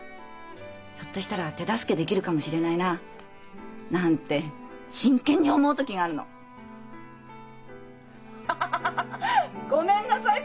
ひょっとしたら手助けできるかもしれないななんて真剣に思う時があるの！ハハハごめんなさい！